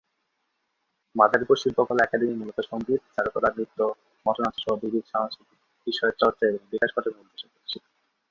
মাদারীপুর শিল্পকলা একাডেমি মূলত সঙ্গীত, চারুকলা, নৃত্য, মঞ্চনাটক সহ বিবিধ সাংস্কৃতিক বিষয়ের চর্চা এবং বিকাশ ঘটানোর উদ্দেশ্যে প্রতিষ্ঠিত।